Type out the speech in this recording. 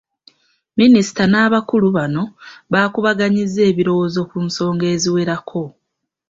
Minisita n'abakulu bano baakubaganyizza ebirowoozo ku nsonga eziwerako